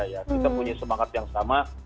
ya kita punya semangat yang sama